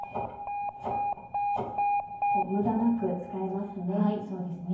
無駄なく使えますね。